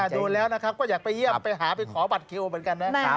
ดูแล้วว่าอยากไปเกี่ยวไปขอบัตรคิวเหมือนกันน่ะอ่ะ